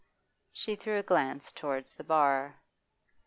She threw a glance towards the bar.